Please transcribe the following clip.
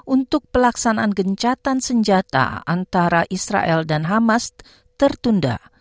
untuk pelaksanaan gencatan senjata antara israel dan hamas tertunda